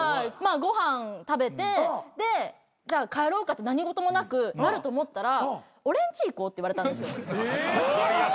ご飯食べてじゃあ帰ろうかって何事もなくなると思ったら俺んち行こうって言われたんですよ。